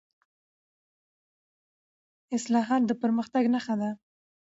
اصلاحات د پرمختګ نښه ده